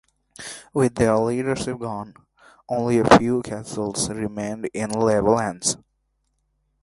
With their leadership gone, only a few castles remained in rebel hands.